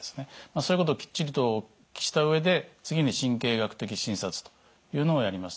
そういうことをきっちりとした上で次に神経学的診察というのをやります。